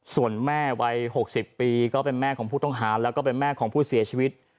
ส่วนแม่วัย๖๐ปีก็เป็นแม่ของผู้ต้องหาแล้วก็เป็นแม่ของผู้เสียชีวิต